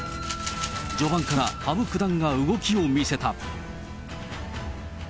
序盤から羽生九段が動きを見せた。